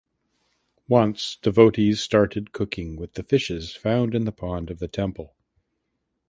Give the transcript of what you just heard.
Once devotees started cooking with the fishes found in the pond of the temple.